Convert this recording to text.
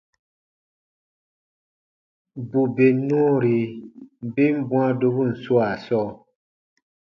Bù bè nɔɔri ben bwãa dobun swaa sɔɔ,